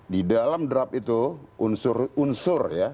di dalam draft itu unsur unsur ya